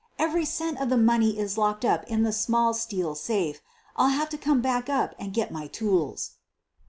Every cent of the money is locked up in the small steel safe. I'll have to come back up and get my tools.'